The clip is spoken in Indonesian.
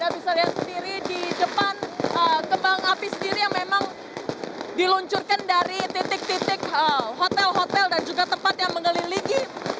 bisa lihat sendiri di depan kembang api sendiri yang memang diluncurkan dari titik titik hotel hotel dan juga tempat yang mengelilingi